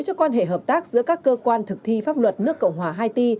cho quan hệ hợp tác giữa các cơ quan thực thi pháp luật nước cộng hòa haiti